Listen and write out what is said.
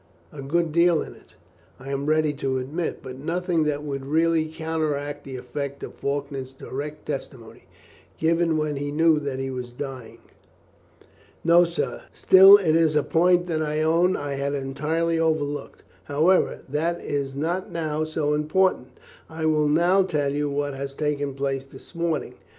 A good deal in it, I am ready to admit, but nothing that would really counteract the effect of Faulkner's direct testimony, given when he knew that he was dying." "No, sir; still it is a point that I own I had entirely overlooked; however, that is not now so important. I will now tell you what has taken place this morning."